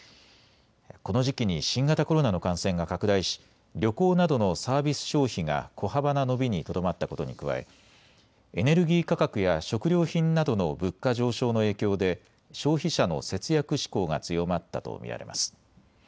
この時期に新型コロナの感染が拡大し旅行などのサービス消費が小幅な伸びにとどまったことに加えエネルギー価格や食料品などの物価上昇の影響で消費者の節約志向が強まったと見られます。